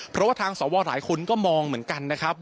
เพราะว่าทางสวหลายคนก็มองเหมือนกันนะครับ